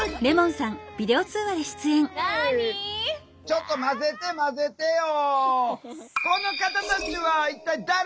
ちょっと交ぜて交ぜてよ。